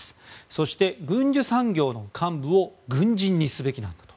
そして、軍需産業の幹部を軍人にすべきなんだと。